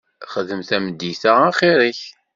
Xdem tameddit-a axir-ik.